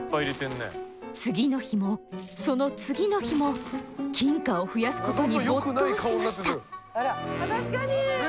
次の日もその次の日も金貨を増やすことに没頭しました。